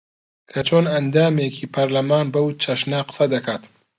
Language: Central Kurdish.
کە چۆن ئەندامێکی پەرلەمان بەو چەشنە قسە دەکات